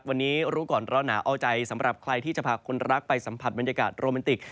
วันนี้รู้ก่อนร้อนหนาวเอาใจสำหรับใครที่จะพาคนรักไปสัมผัสบรรยากาศโรแมนติก